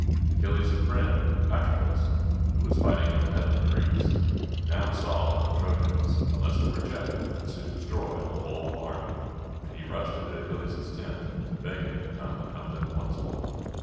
Achilles' friend, Patroclus, who was fighting at the head of the Greeks, now saw that the Trojans, unless they were checked, would soon destroy the whole army, and he rushed into Achilles' tent to beg him to come and help them once more.